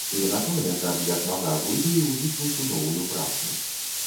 І на тое, каб як мага глыбей унікнуць у новую працу.